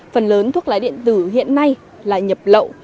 phần lớn thuốc lá điện tử hiện nay là nhập lậu